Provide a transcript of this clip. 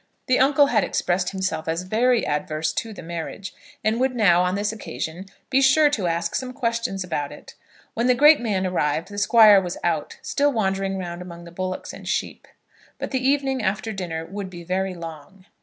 The uncle had expressed himself as very adverse to the marriage, and would now, on this occasion, be sure to ask some question about it. When the great man arrived the Squire was out, still wandering round among the bullocks and sheep; but the evening after dinner would be very long.